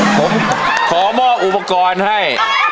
ผมขอมอบอุปกรณ์ให้